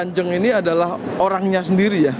dua korban gustikan ini adalah orangnya sendiri ya